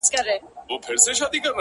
چاته د يار خبري ډيري ښې دي-a